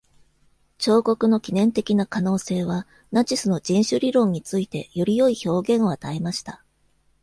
彫刻の記念的な可能性は、ナチスの人種理論についてより良い表現を与えました。